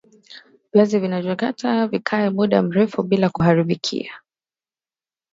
viazi vinachakatwa ili Vikae muda mrefu bila kuharibika